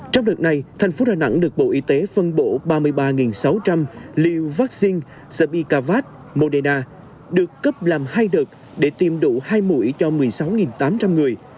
trong đợt này thành phố đà nẵng được bộ y tế phân bổ ba mươi ba sáu trăm linh liều vaccine spicavat moderna được cấp làm hai đợt để tiêm đủ hai mũi cho một mươi sáu tám trăm linh người